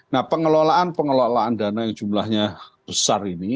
nah pengelolaan pengelolaan dana yang jumlahnya besar ini